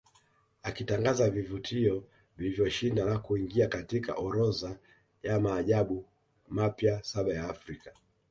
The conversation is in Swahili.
Akitangaza vivutio vilivyoshinda na kuingia katika orodha ya maajabu mapya saba ya Afrika